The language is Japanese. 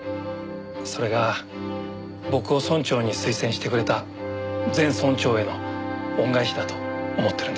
それが僕を村長に推薦してくれた前村長への恩返しだと思ってるんです。